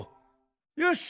よし。